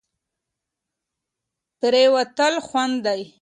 پرېوتل خوند دی.